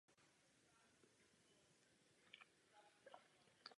Je natočen kombinací živých herců a počítačových animací.